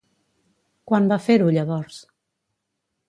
Quan va fer-ho, llavors?